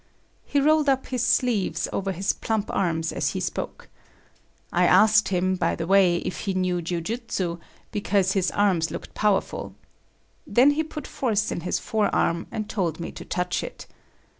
He rolled up his sleeves over his plump arms as he spoke. I asked him, by the way, if he knew jiujitsu, because his arms looked powerful. Then he put force in his forearm, and told me to touch it.